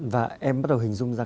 và em bắt đầu hình dung ra